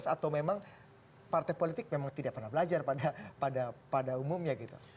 atau memang partai politik memang tidak pernah belajar pada umumnya gitu